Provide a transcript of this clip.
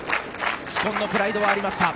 紫紺のプライドはありました。